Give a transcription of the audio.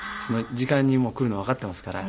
時間に来るのわかっていますから。